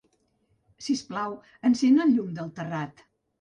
Si us plau, encén el llum del terrat.